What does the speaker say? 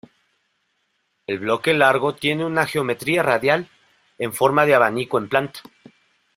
El bloque largo tiene una geometría radial, en forma de abanico en planta.